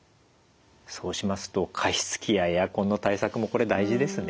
そうしますと加湿器やエアコンの対策もこれ大事ですね。